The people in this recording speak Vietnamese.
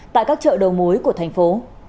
tại các chợ đầu mối của thành phố